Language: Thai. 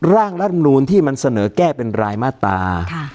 ร่างรัฐมนูลที่มันเสนอแก้เป็นรายมาตรา